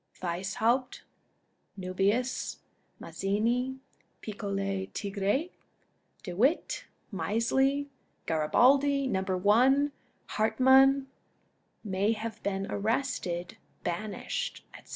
Weishaupt, Nuhius^ Mazzini, Piccolo Tigre, De Witt, Misley, Garibaldi, Number One, Hartmann, may have been arrested, banished, etc.